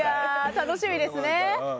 楽しみですね。